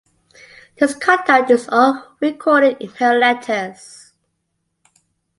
This conduct is all recorded in her letters.